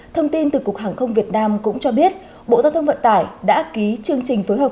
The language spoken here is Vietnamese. thông tin từ cục hàng không việt nam cũng cho biết bộ giao thông vận tải đã ký chương trình phối hợp